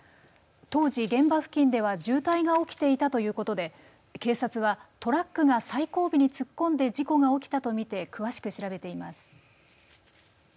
当時、現場付近では渋滞が起きていたということで警察はトラックが最後尾に突っ込んで事故が起きたと見て詳しく調べています。